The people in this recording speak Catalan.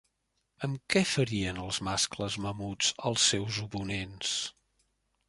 Amb què ferien els mascles mamuts als seus oponents?